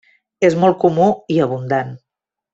És molt comú i abundant.